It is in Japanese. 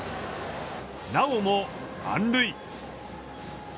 なおも満塁。